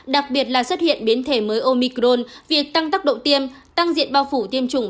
đặc biệt là xuất hiện biến thể mới omicron việc tăng tốc độ tiêm tăng diện bao phủ tiêm chủng